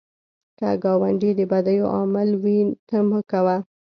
که ګاونډی د بدیو عامل وي، ته مه کوه